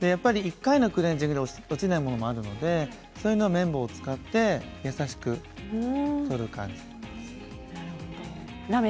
１回のクレンジングで落ちないものもあるので綿棒を使って優しく取る感じですね。